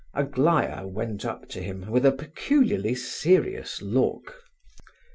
Aglaya went up to him with a peculiarly serious look.